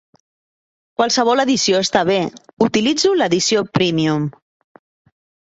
Qualsevol edició està bé, utilitzo l'edició prèmium.